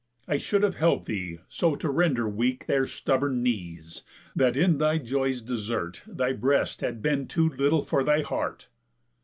I should have help'd thee so to render weak Their stubborn knees, that in thy joy's desert Thy breast had been too little for thy heart."